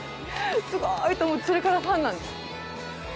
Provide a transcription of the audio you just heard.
すごーい！と思ってそれからファンなんです。